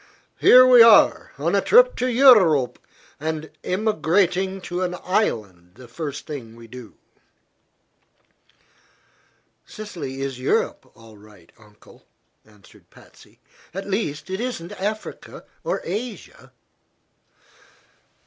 "Here we are, on a trip to Eu rope, and emigrating to an island the first thing we do." "Sicily is Europe, all right, Uncle," answered Patsy. "At least, it isn't Asia or Africa."